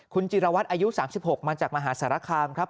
คุณจิรวัตรอายุ๓๖มาจากมหาสารคามครับ